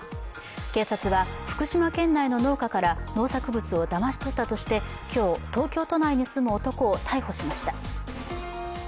警察は福島県内の農家から農作物をだまし取ったとして今日、東京都内に住む男を逮捕しました。